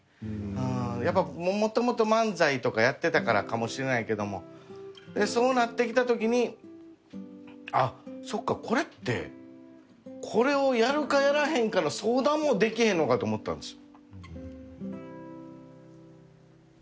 うんやっぱ元々漫才とかやってたからかもしれないけどもそうなってきた時にあっそっかこれってこれをやるかやらへんかの相談もできへんのかと思ったんですよ